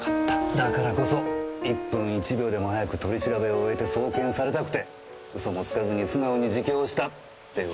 だからこそ１分１秒でも早く取り調べを終えて送検されたくて嘘もつかずに素直に自供したってわけ。